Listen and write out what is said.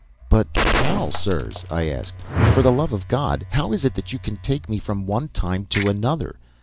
"'But how, sirs?' I asked. 'For the love of God, how is it that you can take me from one time to another?